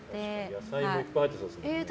野菜もいっぱい入ってそうですね。